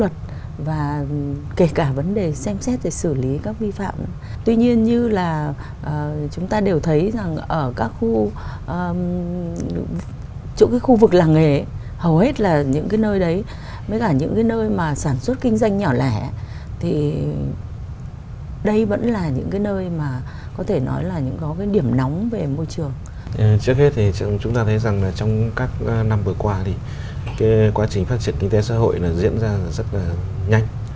trước hết thì chúng ta thấy rằng trong các năm vừa qua thì quá trình phát triển kinh tế xã hội diễn ra rất là nhanh